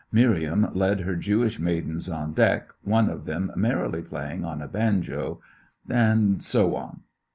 Miriam led her Jewish maidens on deck, one of them merrily playing on a banjo ; and so on.